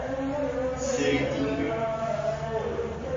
Seritinga